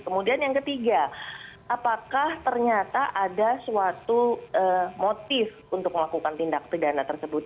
kemudian yang ketiga apakah ternyata ada suatu motif untuk melakukan tindak pidana tersebut